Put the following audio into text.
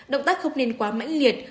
động tác không nên quá mãnh liệt